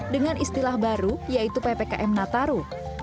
dengan istilah baru yaitu ppkm nataru